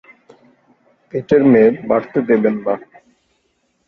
পেটের মেদ বাড়তে দেবেন না।